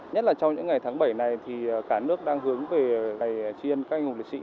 nhất là trong những ngày tháng bảy này thì cả nước đang hướng về ngày tri ân các anh hùng lịch sĩ